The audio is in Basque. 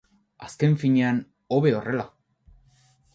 Azken finean, hobe horrela!